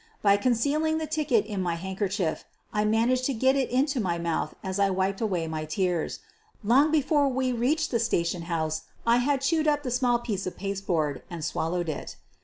By concealing the ticket in my handkerchief I managed to get it into my mouth as I wiped away my tears. Long before we reached the station house I had chewed up the small piece of pasteboard and swallowed it.